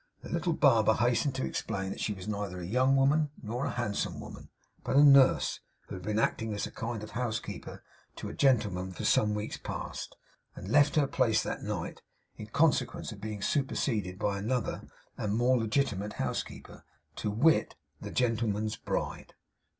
The little barber hastened to explain that she was neither a young woman, nor a handsome woman, but a nurse, who had been acting as a kind of house keeper to a gentleman for some weeks past, and left her place that night, in consequence of being superseded by another and a more legitimate house keeper to wit, the gentleman's bride.